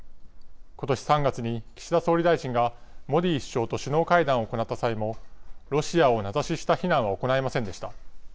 ことし３月に岸田総理大臣がモディ首相と首脳会談を行った際も、ロシアを名指しした非難は行いませんでした。